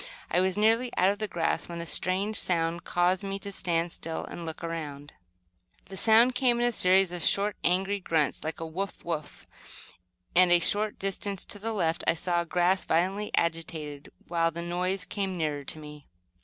I was nearly out of the grass, when a strange sound caused me to stand still and look about me. The sound came in a series of short, angry grunts, like "woof! woof!" and, a short distance to the left I saw the grass violently agitated, while the noise came nearer to me.